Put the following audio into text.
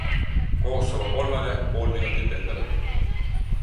Kosovo kolmene pool minutit enne lõppu.